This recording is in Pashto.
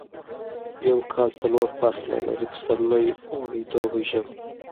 یو کال څلور فصله لري پسرلی اوړی دوبی ژمی